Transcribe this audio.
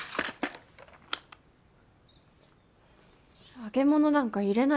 揚げ物なんか入れないでよ。